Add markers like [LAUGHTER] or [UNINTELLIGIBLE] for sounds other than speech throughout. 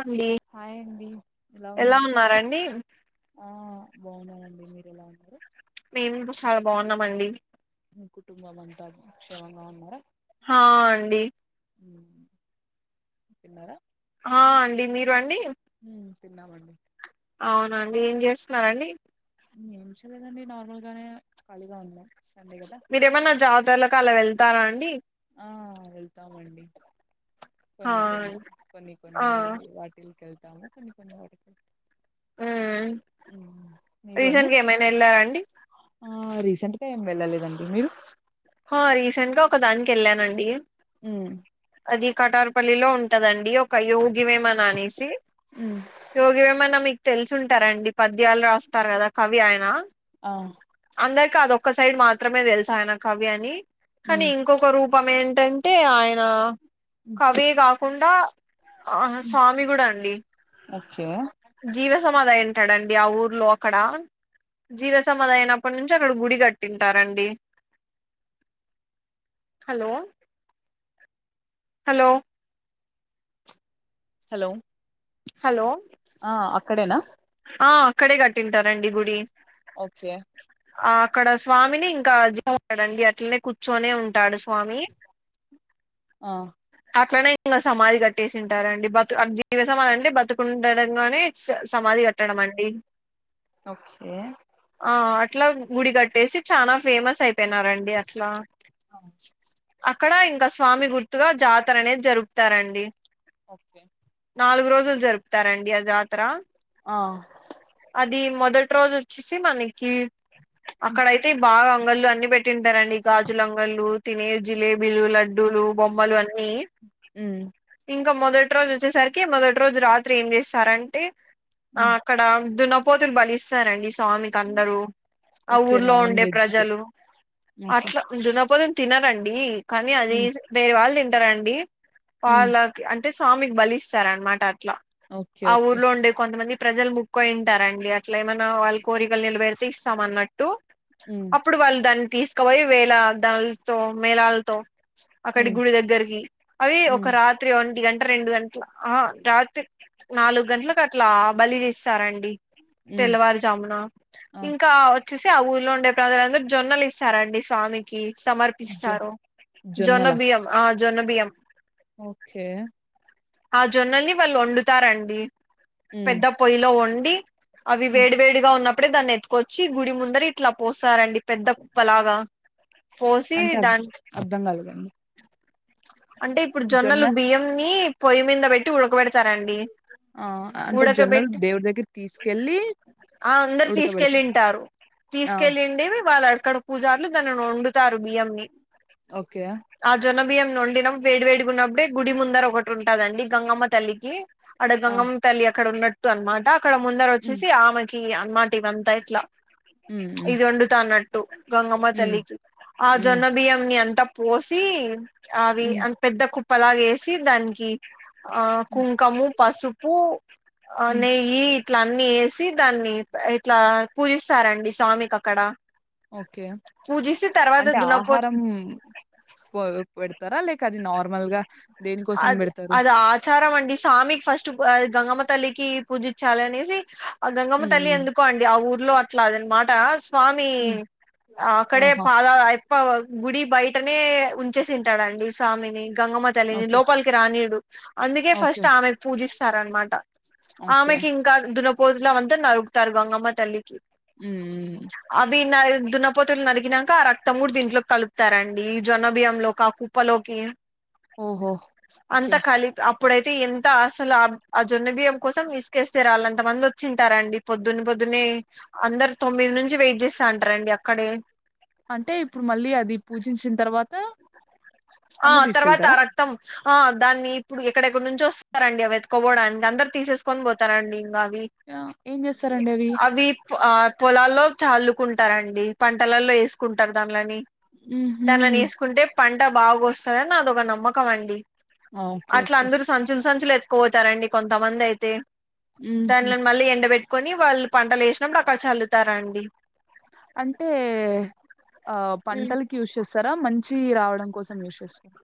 అండి హాయ అండి ఎలా ఉన్నారు ఆ బాగున్నానండి మీరు ఎలా ఉన్నారు మేమ్ బు చాలా బాగున్నామండి మీ కుటుంబం అంతా క్షేమంగా ఉన్నారా హా అండి ఊ తిన్నారా ఆ అండి మీరు అండి ఊ తిన్నామండి అవునండి ఏం చేస్తున్నారండి ఏం చేయలేదండి నార్మల్ గానే ఖాళీగా ఉన్నా సండే కదా మీరు ఏమన్నా జాతర్లలకి అలా వెళ్తారా అండి ఆ వెళ్తామండి హా కొన్ని కొన్ని అండి. కొన్ని ఆ కొన్ని వా టిల్ కెళ్తాము కొన్ని కొన్ని వాటికి మ్మ్ ఊ మీరు అండి రీసెంట్ గా ఏమైనా వెళ్ళారండి ఆ రీసెంట్ గా ఏం వెళ్ళలేదండి మీరు హా‌ రీసెంట్ గా ఒక దానికి ఎళ్ళానండి ఊ అది కటారుపల్లిలో ఉంటాదండి ఒక యోగివేమన అనేసి మ్మ్, యోగివేమన మీకు తెలిసుంటారండి పద్యాలు రాస్తారు కదా కవి ఆయన ఆ అందరికీ అదొక్క సైడ్ మాత్రమే తెలుసు ఆయన కవి అని కానీ మ్మ్, ఇం కొక రూపం ఏంటంటే ఆయన మ్మ్, కవే కాకుండా ఆహా మ్మ్. స్వామి కూడా అండి ఓకే జీవ సమాధి అయ్యుంటాడండి ఆ ఊర్లో అక్కడ జీవ సమాధి అయినప్పటి నుంచి అక్కడ గుడి కట్టింటారండి హలో హలో హలో హలో ఆ అక్కడేనా ఆ అక్కడే కట్టింటారండి గుడి ఓకే ఆ అక్కడ స్వామిని ఇంకా జ [UNINTELLIGIBLE] రండి అట్లనే కూర్చొనే ఉంటాడు స్వామి ఆ అట్లనే ఇంకా సమాధి కట్టేసింటారండి బతు ఆ జీవ సమాధి అంటే బతికుండడంగానే స్ సమాధి కట్టడం అండి ఓకే ఆ అట్లా గుడి కట్టేసి చానా ఫేమస్ అయిపోయినారన్ డి అట్లా అక్కడ ఇంకా స్వామి గు తుగా జాతర అనేది జరుపుతారండి ఓకే నాలుగు రోజులు జరుపుతారండి ఆ జాతర ఆ అది మొదటి రోజు వచ్చేసి మని కి అక్కడయితే బాగా అంగళ్ళు అన్నీ పెట్టింటారండి గాజుల అంగళ్ళు తినే జిలేబీలు లడ్డూలు బొమ్మలు అన్నీ ఉమ్ ఇంక మొదటి రోజు వచ్చేసరికి మొదటి రోజు రాత్రి ఏం చేస్తారంటే ఆ ఉమ్ క్కడ దున్నపోతుని బలిస్తారండి స్వామి కందరూ ఆ ఓకే ఊర్లో నాన్ ఉండే వెజ్ ప్రజలు ఓకే అట్ల దున్నపోతుని తినరండి కానీ అది ఉమ్ వేరే వాళ్ళు తింటారండి ఉమ్ వాళ్ళ అంటే స్వామికి బలిస్తార అనమాట అట్లా ఓకే ఆ ఓకే ఊర్లో ఉండే కొంతమంది ప్రజలు ముక్కయింటారండి అట్ల ఏమైన వాళ్ళ కోరికలు నిలబెరితే ఇస్తాం అన్నట్టు టు ఉమ్ అప్పుడు వాళ్ళు దాన్ని తీసుకుపోయి వేల దానితో మేళాలతో అక్కడి ఉమ్ గుడి దగ్గరికి అవి ఒక ఉమ్ రాత్రి ఒంటి గంట రెండు గంటల ఆహ రాత్రి నాలుగు గంటలకు అట్లా బలి తీస్తారండి ఉమ్ తెల్లవారుజామున ఆ ఇంకా చూసి ఆ ఊర్లో ఉండే ప్రజలందరూ జొన్నలు ఇస్తారండి స్వామికి జొ సమర్పిస్తారు జొన్నలా జొన్నబియం ఆ జొన్నబియం ఓకే ఆ జొన్నల్ని వాళ్ళు వండుతారండి ఉమ్ పెద్ద పొయ్యిలో వండి అవి ఉమ్ వేడి వేడిగా ఉన్నప్పుడే దాన్ని ఎత్తుకొచ్చి గుడి ముందర ఇట్లా పోస్తారండి పెద్ద కుప్పలాగా పోసి దాని అర్థం కాలేదండి అంటే ఇప్పుడు జొన్న జొన్నలు బియ్యంన్ని పొయ్యి మీద పెట్టి ట్టి ఉడకబెడతారండి ఆ అంటే జొన్నలు ఉడకబెట్టి దేవుడి దగ్గర తీసుకెళ్ళి ఆ అందరు ఉడకబెడతారు తీసుకెళ్ళింటారు ఆ తీసుకెళ్లి ఉండేవి వాళ్ళు అకడ పూజారులు దాని వండుతారు బియ్యం ని ఓకే ఆ జొన్న బియ్యం వండినం వేడి వేడుకున్నప్పుడే గుడి ముందర ఒకటి ఉంటదండి గంగమ్మ తల్లికి అడ ఆ గంగమ్ తల్లి అక్కడ ఉన్నట్టు అనమాట అక్కడ ముందర ఉమ్ వచ్చేసి ఆమెకి అనమాట ఇవంతా ఇట్లా ఉమ్ ఉమ్ ఇది వండుతా అన్నట్టు గంగమ్మ ఉమ్ తల్లికి ఆ ఉమ్ జొన్న బియ్యం ని అంత పోసి అవి ఉమ్ అన్ పెద్ద కుప్ప లాగ వేసి దానికి ఆ ఉమ్ కుంకము పసుపు ఆ ఉమ్, నెయ్యి ఇట్లా అన్ని వేసి దాన్ని ఇట్లా పూజిస్తారండి స్వామికి అక్కడ ఓకే పూజిస్తే తర్వాత అంటే దున్నపో ఆహారం పో పెడతారా లేక అది నార్మల్ గా దేనికోసం పెడతారు ప్రచారం అండి స్వామికి ఫస్ట్ గంగమ్మ తల్లికి పూజించాలనేసి ఆ గంగమ్మ హ్మ్. తల్లి హ్మ్. ఎందుకో అండి ఆ ఊర్లో అట్లా అదనమాట స్వామి హ్మ్. ఆక్కడే ఆహా! పాద ఎప్ప గుడి బయ టనే ఉంచేసింటాడండి స్వామిని గంగమ్మ తలిని ఓకే. లోపలికి రానియడు అందుకే ఓకే. ఫస్ట్ ఆమెకు పూజిస్తారనమాట ఓకే. ఆమెకి ఇం కాదు దన్న పోతులా అవంత నరుకుతారు గంగమ్మ తల్లికి ఊ అవి న దున్నపోతులు నరికిినాక ఆ రక్తం కూడా దీంట్లోకి కలుపుతారండి ఈ జొన్న బియ్యంలో కాకు పలోకి ఓహో అంత ఓకే. ఖలీ అప్పుడైతే ఎంత అసలు ఆ ఆ జొన్న బియ్యం కోసం ఇసుకేస్తే రాళనంత మంది వచ్చింటారండి పొద్దున్న పొద్దున్న అందరు తొమ్మిది నుంచి వెయిట్ చేస్తే అంటారండి అక్కడే అంటే ఇప్పుడు మళ్ళీ అది పూజించిన తర్వాత ఆ అందరూ తర్వాత తీసుకెళ్తారా? అ రక్ మొత్తం ఆ దాన్ని ఇప్పుడు ఎక్కడెక్కడ నుంచి వస్తారండి అవి ఎతకవడానికి అందరు తీసేసుకొని పోతారండి ఇంకా అవి ఆహ్, ఏం చేస్తారండి అవి ఆ పొలాల్లో చల్లుకుంటారండి పంటలల్లో వేసుకుంటారు దానలని హుహు. దాంట్ల ఏసుకుంటే పంట బాగా వస్తుందని అదొక నమ్మకం అండి ఓకే. అట్లా ఓకే. అందరు సంచులు సంచులు ఎత్తుకుపోతారండి కొంతమందయితే హుహు. దాన్లని మళ్ళీ ఎండ బెట్టుకొని వాళ్ళు పంటలు వేసినప్పుడు అక్కడ చల్లుతారండి అంటే ఆ ఉమ్. పంటల్ యూజ్ చేస్తారా మంచి రావడం కోసం యూజ్ చేస్తారా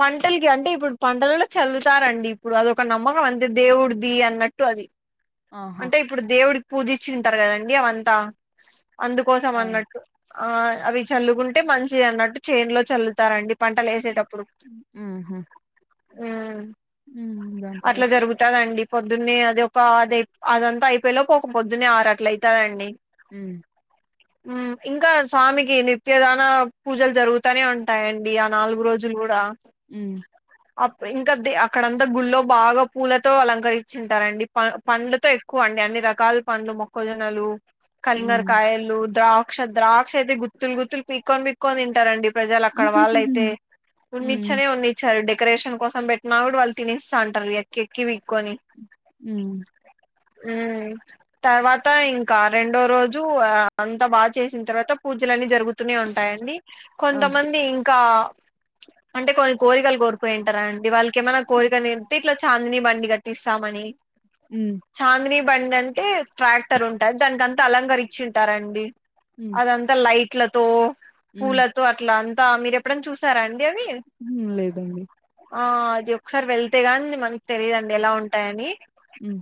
పంటలకి అంటే ఇప్పుడు పంటలలో చల్లుతారండి ఇప్పుడు అదొక నమ్మకం అంతే దేవుడిది అన్నట్టు అది ఆహా! అంటే ఇప్పుడు దేవుడికి పూజచ్చింటారు కదండి అవంతా అందుకోసం ఆ! అన్నట్టు ఆ అవి చల్లుకుంటే మంచిది అన్నట్టు చేన్ లో చల్లుతారండి పంట లేేసేటప్పుడు మ్మ్ మ్మ్ హు మ్మ్ మ్మ్ దాని తర్వాత అంటదండి పొద్దున్నే అది ఒక అది అదంతా అయిపోయేలోపు ఒక పొద్దున్నే ఆరట్ల అయితాదండి మ్మ్ మ్మ్ ఇంకా స్వామికి నిత్యదాన పూజలు జరుగుత తనే ఉంటాయండి ఆ నాలుగు రోజులు కూడా హ్మ్. అప్ ఇంకా దే అక్కడంతా గుళ్ళో బాగా పూలతో అలంకరించింటారండి పండ్ పండ్లతో ఎక్కువ అండి అన్ని రకాల పండ్లు మొక్కజొన్నలు కలింగర హ్మ్. కాయలు ద్రాక్ష ద్రాక్షయితే గుత్తులు గుత్తులు పీక్కొని పీక్కొని తింటారండి ప్రజలక్కడ వాళ్ళైతే హ్మ్. వున్నిచ్చానే వున్నిచ్చరు డెకరేషన్ కోసం పెట్టిన కూడా వాళ్ళు తినేస్తాంటారు ఎక్కి ఎక్కి పీక్కోని మ్మ్ మ్మ్ తర్వాత ఇంకా రెండో రోజు అంతా బాచేసిన తర్వాత పూజలున్నీ జరుగు గుతూనే ఉంటాయండి ఆ! కొంతమంది ఇంకా అంటే కొన్ని కోరికలు కోరుపోయింటారండి వాళ్ళకి ఏమైనా కోరికలునితే ఇట్లా చాందిని బండి కట్టి తటిస్సామణి హ్మ్. చాందినీ బండి అంటే ట్రాక్టర్ ఉంటాది దానికి అంతా అలంకరిచ్చింటారండి మ్మ్ అంతా లైట్లతో పూలతో అట్లా అంతా మీరు ఎప్పుడన్నా చూసారండి హ్మ్. లేదండి. ఆ అది ఒకసారి వెళ్తేగానీ మనకి తెలీదండి ఎలా ఉంటాయని హ్మ్.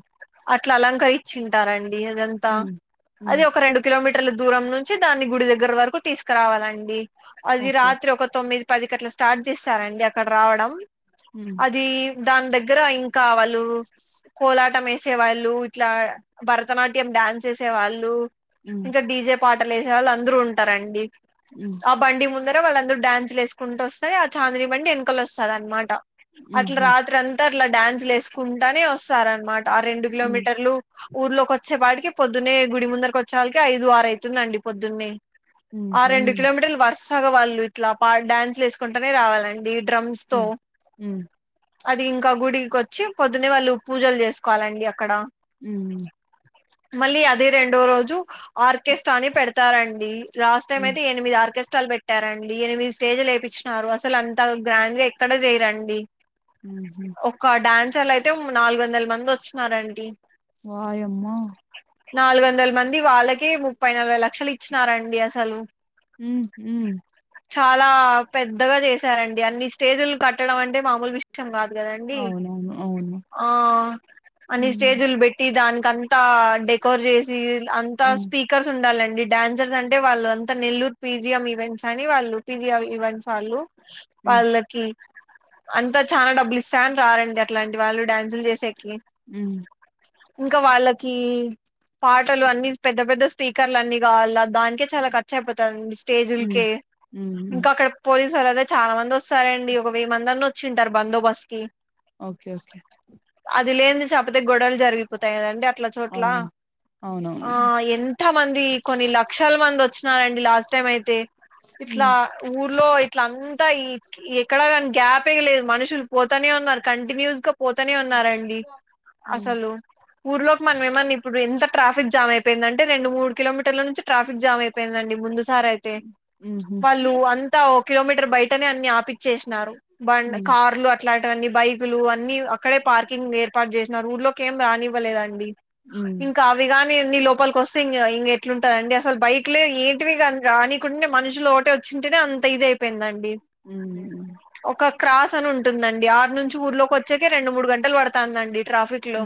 అట్లా అలంకరించింటారండి అదంత హ్మ్. హ్మ్. అది ఒక రెండు కిలోమీటర్ల దూరం నుంచి దాన్ని గుడి దగ్గర వరకు తీసుకురావాలండి అది ఓకే. రాత్రి ఒక తొమ్మిది పదికట్ల స్టార్ట్ చేస్తారండి అక్కడ రావడం హ్మ్. అది దాని దగ్గర ఇంకా వాళ్ళు కోలాట టమేసేవాళ్ళు ఇట్లా భరతనాట్యం డ్యాన్స్ వేసే వాళ్ళు హ్మ్. ఇంకా డిజే పాటలు వేసే వాళ్ళు అందరు ఉంటారండి మ్మ్ ఆ బండి ముందర వాళ్ళందరూ డ్యాన్స్లు వేసుకుంటూ వస్తే ఆ చాందిని బండి వెనకలు వస్తాదనమాట అట్లా హుహు. రాత్రి అంతా అట్లా డ్యాన్స్లు వేసుకుంటానే వస్తారనమాట ఆ రెండు హ్మ్. కిలోమీటర్లు ఊర్లోకొచ్చే పాటికే పొద్దున్నే గుడి ముందరికి వచ్చాలకే ఐదు ఆరు అయితుందండి పొద్దున్నే హ్మ్. ఆ రెండు హ్మ్. కిలోమీటర్లు వరుసగ వాళ్ళు ఇట్లా పా డ్యాన్స్లు వేసుకుంటానే రావాలండి డ్రమ్స్తో హ్మ్. హ్మ్. అది ఇంకా గుడికొచ్చి పొద్దున్నే వాళ్ళు పూజలు చేసుకోవాలండి అక్కడ మ్మ్ మళ్ళీ అదే రెండో రోజు ఆర్కెస్ట్రా అని పెడతారండి లాస్ట్ టైం హ్మ్. అయితే ఎనిమిది ఆర్కెస్ట్రాలు పెట్టారండి ఎనిమిది స్టేజులు ఏపీచ్ చ్చినారు అసలు అంత గ్రాండ్ గా ఎక్కడ చేయరండి మ్మ్ హు ఒక్క డాన్సర్లు అయితే నాలుగు వందల మంది వచ్చినారండి వాయమ్మో నాలుగు వందల మంది వాళ్ళకే ముప్పై నలభై లక్షలు ఇచ్చినారండి అసలు మ్మ్ హు చాలా పెద్దగా చేసారండి అన్ని స్టేజులు కట్టడం అంటే మామూలు విష కాదు కదండి అవునవును. అవును. ఆ అన్ని హ్మ్. స్టేజులు బెట్ బెట్టి దానీకంతా డెకోర్ చేసి అంతా హ్మ్. స్పీక్ స్పీకర్స్ ఉండాలండి డాన్సర్స్ అంటే వాళ్ళుంతా Nellore P. G. M events అని వాళ్ళు పి. జి. ఆర్ ఈవెంట్స్ వాళ్ళు హ్మ్. వాళ్ళకి అంతా చానా డబ్బులు ఇస్తాని రారండి అట్లాంటి వాళ్ళు డ్యాన్సులు చేసేకి హ్మ్. ఇంకా వాళ్ళకి పాటలు అన్ని పెద్ద పెద్ద స్పీకర్లన్ని కావాల దాని దానికే చాలా ఖర్చయిపోతాదండి హ్మ్. స్టేజ్ల్కే హ్మ్. హ్మ్. ఇంకా అక్కడ పోలీసోల్లాంతా చానా మంది వస్ సరే అండి ఒక వెయ్యిమందన్నా వచ్చింటారు బందోబస్తుకి ఓకే ఓకే అది లేని చాపతే గొడవలు జరిగిపోతాయి కదండి అట్ల ఆ! చోట్ల ఆ అవునవును. ఎన్ ఎంత మంది కొన్ని లక్షల మంది వచ్చినారండి లాస్ట్ టైం అయితే ఇట్లా హ్మ్. ఊ ఊళ్ళో ఇట్లా అంతా ఈ ఎక్కడా గానీ గ్యాప్ ఏ లేదు మనుషులు పోతనే ఉన్నారు కంటిన్యూస్ గా పోతనే ఉన్నారండి హ్మ్. అసలు ఊర్లోకి మనమేమన్నా ఇప్పుడు ఎంత ట్రాఫిక్ ట్రాఫక్ జామ్ అయిపోయిందంటే రెండు మూడు కిలోమీర్ల నుంచి ట్రాఫిక్ జామ్ అయిపోయిందండి ముందు సారయితే హుహు. వాళ్ళు అంత ఓ కిలోమీటర్ బయటనే అన్ని ఆపిచ్చేసినారు బండ్ హ్మ్. కార్లు అట్లా అట్లాటివన్ని బైకులు అన్ని అక్కడే పార్కింగ్ ఏర్పాటు చేసినారు ఊర్లోకి ఏం రానివ్వలేదండి హ్మ్. ఇంకా ఆవ్ అవి గానీ అన్ని లోపలికి వస్తే ఇంగ్ ఇంగ ఎట్లుంటాదండి అసలు బైక్లే ఏంటివి కానీ రానికుంటే మనుషులు ఒకటే వచ్చింటేనే అంత ఇది అయిపోయిందండి మ్మ్ మ్మ్ ఒక క్రాస్ అని ఉంటుందండి ఆరు నుంచి ఊర్లో వొచ్చేకే రెండు మూడు గంటలు పడుతాందండి ట్రాఫిక్ లో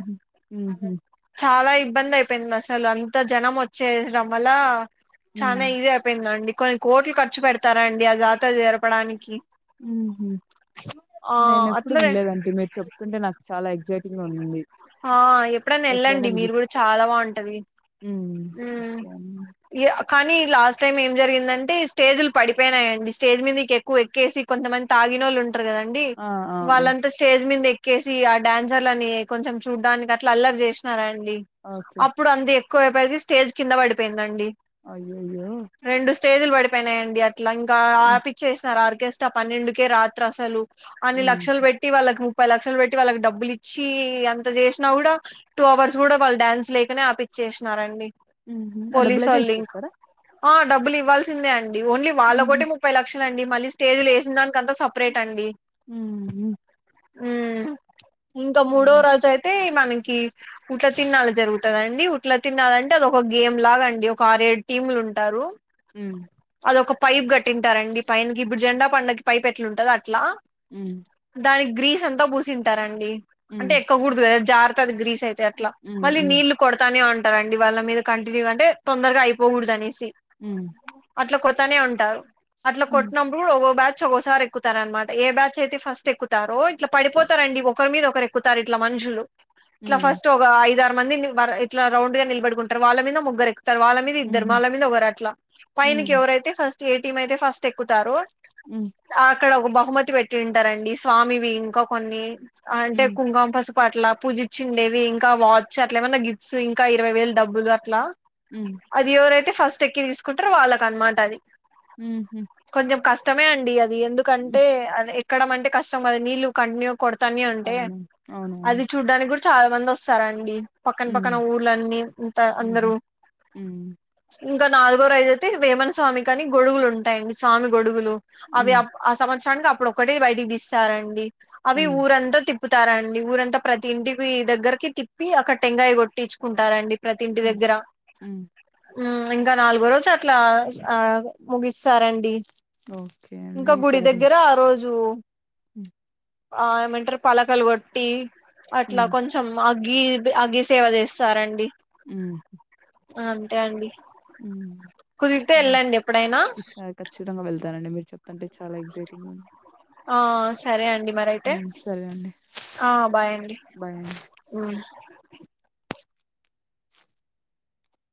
హుహు. చాలా ఇబ్బంది అయిపోయిందసలు అంత జనం వచ్చేయడం వల్ల చానా హ్మ్. ఈజీ అయిపోయిందండి కొన్ని కోట్లు ఖర్చు పెడతారు అండి ఆ జాతర జరపడానికి ఆ నేనేప్పుడు అట్లనే విన్లేదండి మీరు చెప్తుంటే నాకు చాలా ఎగ్జైటింగ్ గా ఉందండి ఆ ఎప్పుడన్నా వెళ్ళండి మీరు కూడా చాలా బాగుంటది మ్మ్ ఉమ్ ఓకే అండి కానీ లాస్ట్ టైమ్ ఏం జరిగిందంటే స్టేజ్లు పడిపోయినాయండి స్టేజ్ మీదికి ఎక్కి ఎక్కువ ఎక్కేసి కొంతమంది తాగి నోళ్ళు ఉంట రుకదండి ఆ ఆ ఆ వాళ్ళంతా స్టేజ్ మీద ఎక్కేసి ఆ డాన్సర్లని కొంచం చూడ్డానికి అట్లా అల్లరి చేసినారండి ఓకే అప్పుడు అందీర్ కోయే పరికి స్టేజ్ కింద పడిపోయిందండి అయ్యయ్యో రెండు స్టేజులు పడిపోయినాయండి అట్లా ఇంకా హ్మ్ ఆపిచ్చేసినారు ఆర్కెస్ట్ పన్నెండుకే రాత్రసలు అన్ని హ్మ్ లక్షలు పెట్టి వాళ్ళకి ముప్పై లక్షలు పెట్టి వాళ్ళకి డబ్బులిచ్చి కి అంత చేసినా గుడా టూ అవర్స్ కూడా వాళ్ళు డ్యాన్స్ ఏయాకనే ఆపచ్చేసినారండి హుహు ఆ డబ్బులయితే పోలీసోల్లింకా ఇచ్చేస్తారా ఆ డబ్బులు ఇవ్వాల్సిందే అండి ఇది ఓన్లీ హుహు వాళ్ళకొకటే ముప్పై లక్షలండి మళ్ళీ స్టేజ్లు వేసినదానికంతా సపరేట్ అండి మ్మ్ హ్మ్ మ్మ్ ఇంకా సరే మూడోరోజయితే మనకి ఉట్ల తీర్ణాలు జరుగుతదండి ఉట్లా తీర్నాలంటే అద ఒక గేమ్ లాగా అండి ఒక ఆరు ఏడు టీములుంటారు మ్మ్ అదొక పైప్ కట్టింటారండి పైనకి ఇప్పుడు జెండా పండక్కి పైప్ ఎట్లా ఉంటది అట్లా మ్మ్ దానికి గ్రీస్ అంతా పూసింటారండి అంటే హ్మ్ ఎక్కకూడదు కదా జారతది గ్రీస్ అయితే అట్లా హ్మ్ మళ్ళీ హ్మ్ నీళ్లు కొడతానే ఉంటారండి వాళ్ళ మీద కంటిన్యూగా అంటే తొందరగా అయిపోకూడదు అనేసి హ్మ్ అట్లా కొడతానే ఉంటారు అట్లా హ్మ్ కొట్టినం ఓగో బ్యాచ్ ఒకోసారి ఎక్కుతారనమాట ఏ బ్యాచ్ అయితే ఫస్ట్ ఎక్కుతారో ఇట్లా పడిపోతారండి ఒక్ ఒకరి మీద ఒకరు ఎక్కుతారు ఇట్లా మనుషులు ఇట్లా హ్మ్ ఫస్ట్ ఓ ఐదారు మంది ఇట్లా రౌండ్ గా నిలబడుకుంటారు వాళ్ళ మీద ముగ్గురు ఎక్కుతారు వాళ్ళ మీద ఇద్దరు హుహు మళ్ళ మీద ఒకవరు అట్లా పైనకి హ్మ్ ఎవరైతే ఫస్ట్ ఏ టీమ్ అయితే ఫస్ట్ ఎక్కుతారో అక్కడ ఒక బహుమతి పెట్టింటారండి స్వామివి ఇంకా కొన్ని అంటే హ్మ్ ఇంకా పసుపు అట్ల పూజిచ్చిండేవి ఇంకా వాచ్ అట్లా ఏమన్నా గిఫ్స్ ఇంకా ఇరవై వేల డబ్బులు అట్లా మ్మ్ అది ఎవరైతే ఫస్ట్ ఎక్కి తీసుకుంటరో వాళ్ళకనమాట అది మ్మ్ కొంచెం కష్టమే అండి అది ఎందుకంటే ఎక్కడం అంటే కష్టం అది నీళ్ళు కంటిన్యూ కొడతానే ఉంటే అవునా అవునవును అది చూడ్డానికి కూడా చాలా మంది వస్తారండి పక్కన హ్మ్ పక్కన ఊళ్లన్నీ ఇంత అందరూ హుహు హ్మ్ ఇంకా నాలుగో రోజయితే వేమన్ స్వామి కానీ గొడుగులు ఉంటాయండి స్వామి గొడుగులు అవి హ్మ్ అప్ ఆ సంవత్సరానికి అప్పుడొకటి బయటికి తీస్తారండి అవి హ్మ్ ఊరంతా తిప్ తిప్పుతారండి ఊరంతా ప్రతి ఇంటికి దగ్గరకి తిప్పి అక్కడ టెంకాయ కొట్టించుకుంటారండి ప్రతి ఇంటి హ్మ్ దగ్గర హ్మ్ మ్మ్ ఇంకా నాలుగోరోజట్లా ఆ ముగిస్తారండి ఓకే ఇంకా గుడి దగ్గర ఆ రోజు మ్మ్ ఆ ఏమంటారు పలకలు వట్టి అట్లా హ్మ్. కొంచెం కొంచెం అగ్గి అగ్గి సేవ చేస్తారండి మ్మ్ అంతే అండి కుదిరితే సరే. వెళ్ళండి ఎప్పుడైనా ఈసారి ఖచ్చితంగా వెళ్తానండి మీరు చెప్తుంటే చాలా ఎక్సైటింగా ఉంది ఆ సరే అండి మరయితే హ్మ్. సరే అండి. ఆ బాయ్ అండి బాయ్ అండి.